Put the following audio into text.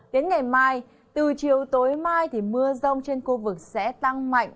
đến ngày mai từ chiều tối mai mưa rông trên khu vực sẽ tăng mạnh